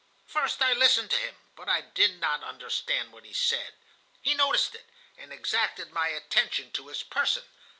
"First I listened to him, but I did not understand what he said. He noticed it, and exacted my attention to his person.